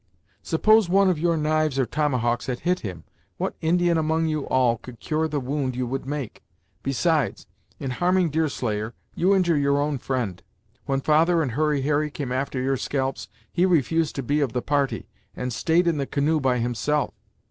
Suppose one of your knives or tomahawks had hit him; what Indian among you all could cure the wound you would make. Besides, in harming Deerslayer, you injure your own friend; when father and Hurry Harry came after your scalps, he refused to be of the party, and staid in the canoe by himself.